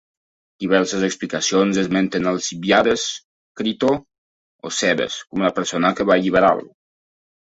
Diverses explicacions esmenten Alcibíades, Critó o Cebes com la persona que va alliberar-lo.